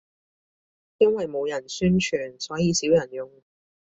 因為冇人宣傳，所以少人用